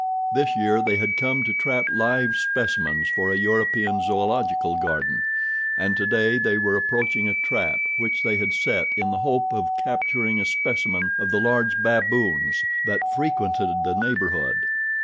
This year they had come to trap live specimens for a European zoological garden, and today they were approaching a trap which they had set in the hope of capturing a specimen of the large baboons that frequented the neighborhood.